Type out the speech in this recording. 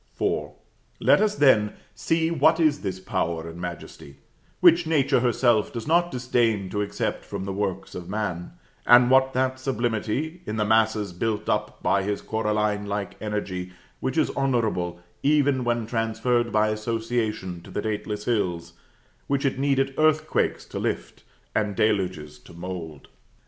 IV. Let us, then, see what is this power and majesty, which Nature herself does not disdain to accept from the works of man; and what that sublimity in the masses built up by his coralline like energy, which is honorable, even when transferred by association to the dateless hills, which it needed earthquakes to lift, and deluges to mould.